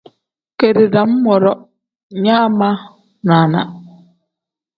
Keeri dam woro nyaa ma naana.